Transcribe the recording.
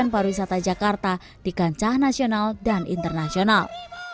pariwisata jakarta di kancah nasional dan internasional